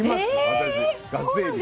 私ガスエビを。